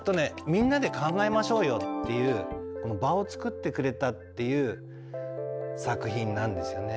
みんなで考えましょうよっていう場を作ってくれたっていう作品なんですよね。